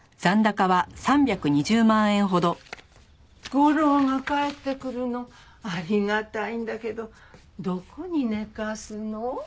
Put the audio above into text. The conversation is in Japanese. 吾良が帰ってくるのありがたいんだけどどこに寝かすの？